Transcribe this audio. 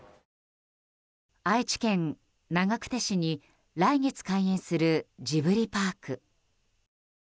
愛知県長久手市に来月開園するジブリパーク。